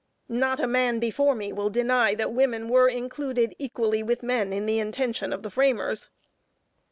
Not a man before me will deny that women were included equally with men in the intention of the framers.